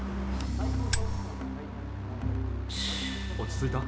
落ち着いた？